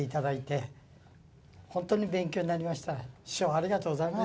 ありがとうございます。